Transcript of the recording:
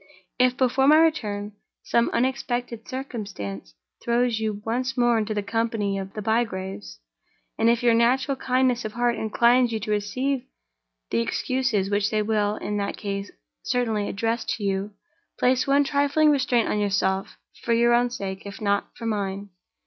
If, before my return, some unexpected circumstance throws you once more into the company of the Bygraves, and if your natural kindness of heart inclines you to receive the excuses which they will, in that case, certainly address to you, place one trifling restraint on yourself, for your own sake, if not for mine.